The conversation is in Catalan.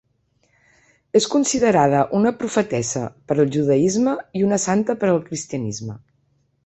És considerada una profetessa per al judaisme i una santa per al cristianisme.